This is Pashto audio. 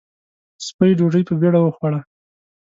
سپۍ ډوډۍ په بېړه وخوړه.